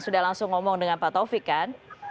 sudah langsung ngomong dengan pak taufik kan